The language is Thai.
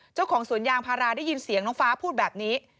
เจ้าของสวนยางพาราได้ยินเสียงน้องฟ้าพูดแบบนี้